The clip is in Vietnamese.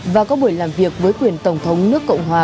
và có buổi làm việc với quyền tổng thống nước cộng hòa